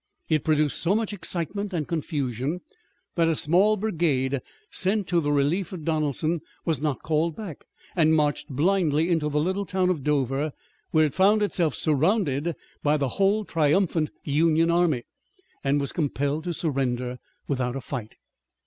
It produced so much excitement and confusion that a small brigade sent to the relief of Donelson was not called back, and marched blindly into the little town of Dover, where it found itself surrounded by the whole triumphant Union army, and was compelled to surrender without a fight.